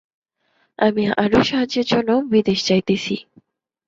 আমি আরও সাহায্যের জন্য বিদেশ যাইতেছি।